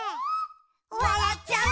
「わらっちゃう」